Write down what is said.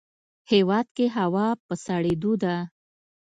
هیواد کې هوا په سړیدو ده